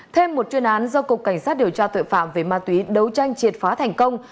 thêm một chuyên án do cục cảnh sát điều tra tội phạm về ma túy đấu tranh triệt phá thành công